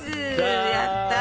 やったー。